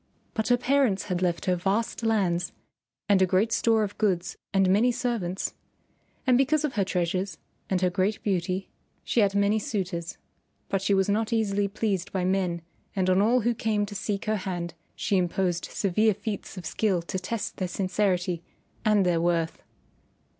But her parents had left her vast lands and a great store of goods and many servants, and because of her treasures and her great beauty she had many suitors. But she was not easily pleased by men and on all who came to seek her hand she imposed severe feats of skill to test their sincerity and their worth.